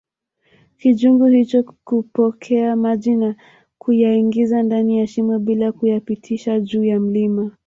kijungu hicho kupokea maji na kuyaingiza ndani ya shimo bila kuyapitisha juu ya mlima